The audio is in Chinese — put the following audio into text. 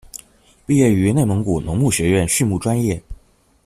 毕业于内蒙古农牧学院畜牧专业。